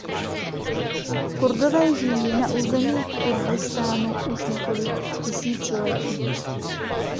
Kurdové žijí na území Kurdistánu už několik tisíciletí.